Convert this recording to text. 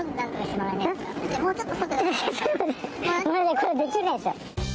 これできないですよ。